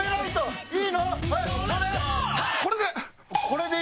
これで！